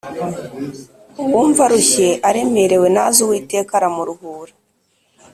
uwumva arushye aremerewe naze uwiteka aramuruhura